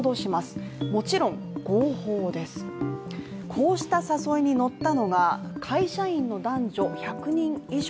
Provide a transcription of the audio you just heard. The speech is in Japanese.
こうした誘いに乗ったのが会社員の男女１００人以上。